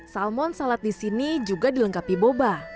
salmon salad di sini juga dilengkapi boba